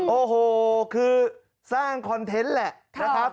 โอ้โหคือสร้างคอนเทนต์แหละนะครับ